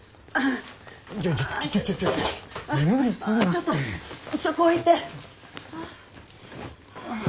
ちょっとそこ置いて。